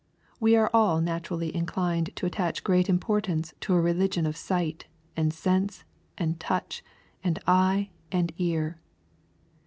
We are all naturally inclined to attach great importance to a religion of sight, and sense, and touch, and eye, and ear.